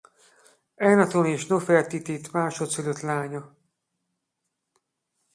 Ehnaton és Nofertiti másodszülött lánya.